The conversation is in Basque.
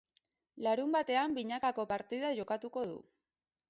Larunbatean binakako partida jokatuko du.